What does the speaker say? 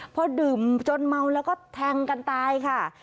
พอดื่มจนเมาแล้วก็แทงกันตายค่ะ